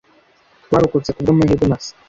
Twarokotse kubwamahirwe masa.